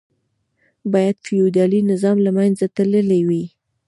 باید فیوډالي نظام له منځه تللی وای.